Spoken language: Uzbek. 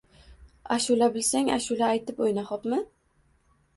Ashula bilsang, ashula aytib o‘yna, xo‘pmi?